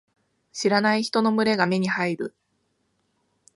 知らない人の群れが目に入る。